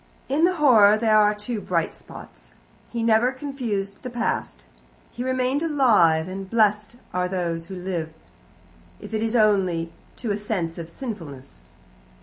In the horror there are two bright spots. He never confused the past. He remained alive, and blessed are those who live, if it is only to a sense of sinfulness.